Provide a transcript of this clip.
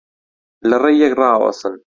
لە ڕێی یەک ڕائەوەسن